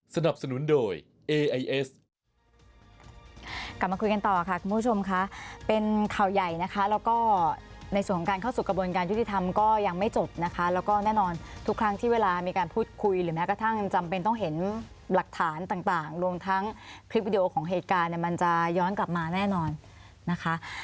กลับมาคุยกันต่อค่ะคุณผู้ชมค่ะเป็นข่าวใหญ่นะคะแล้วก็ในส่วนของการเข้าสู่กระบวนการยุติธรรมก็ยังไม่จบนะคะแล้วก็แน่นอนทุกครั้งที่เวลามีการพูดคุยหรือแม้กระทั่งจำเป็นต้องเห็นหลักฐานต่างรวมทั้งคลิปวิดีโอของเหตุการณ์เนี่ยมันจะย้อนกลับมาแน่นอนนะคะ